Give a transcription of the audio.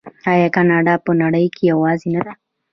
آیا کاناډا په نړۍ کې یوازې نه ده؟